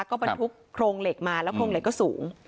ก็บรรทุกโครงเหล็กมาแล้วโครงเหล็กก็สูง